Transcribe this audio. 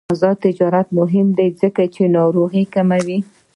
آزاد تجارت مهم دی ځکه چې ناروغۍ کموي.